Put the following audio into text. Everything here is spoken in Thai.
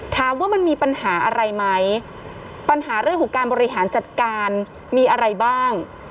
ถามว่ามันมีปัญหาอะไรไหมปัญหาเรื่องของการบริหารจัดการมีอะไรบ้าง